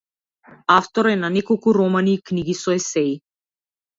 Автор е на неколку романи и книги со есеи.